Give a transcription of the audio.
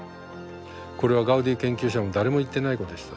これはガウディ研究者も誰も言ってないことでした。